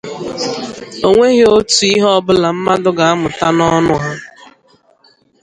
O nweghị otu ihe ọbụla mmadụ ga-amụta n'ọnụ ha